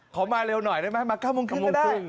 ขอมาเร็วหน่อยได้ไหมมา๙๓๐ก็ได้